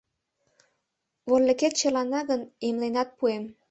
— Вольыкет черлана гын, эмленат пуэм.